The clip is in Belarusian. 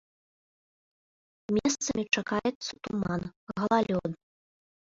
Месцамі чакаецца туман, галалёд.